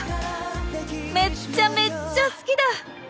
めっちゃめっちゃ好きだ！